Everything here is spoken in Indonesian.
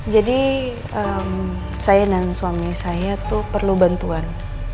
jadi saya dan suami saya tuh perlu bantuan